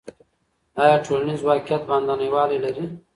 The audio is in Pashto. آیا ټولنیز واقعیت باندنی والی لري؟